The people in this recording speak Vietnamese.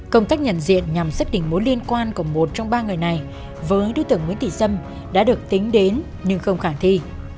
công tác nhận diện nhằm xác định mối liên quan của một trong ba người này với đối tượng nguyễn thị sâm đã được tính đến nhưng không khả thi